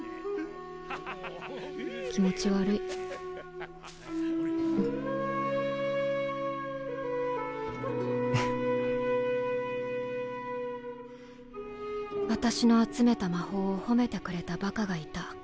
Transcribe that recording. わぁフッ私の集めた魔法を褒めてくれたバカがいた。